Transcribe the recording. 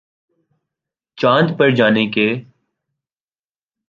چاند پر جانے کے